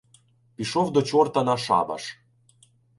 Пішов до чорта на шабаш.